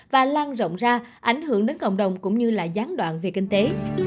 và lan rộng ra ảnh hưởng đến cộng đồng cũng như là gián đoạn về kinh tế